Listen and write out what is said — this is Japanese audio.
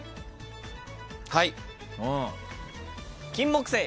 はい。